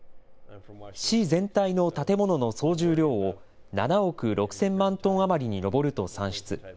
市全体の建物の総重量を７億６０００万トン余りに上ると算出。